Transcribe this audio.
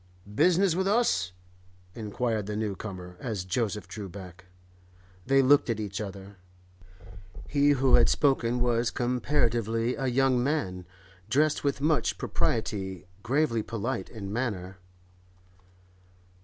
'Business with us?' inquired the new comer, as Joseph drew back. They looked at each other. He who had spoken was comparatively a young man, dressed with much propriety, gravely polite in manner.